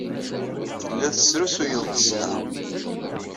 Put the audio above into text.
Telliḍ tesrusuyeḍ-d sselɛa.